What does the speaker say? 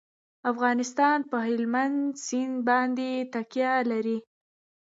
افغانستان په هلمند سیند باندې تکیه لري.